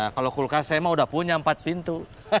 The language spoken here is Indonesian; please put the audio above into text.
kalau kulkas saya mah udah punya empat pintu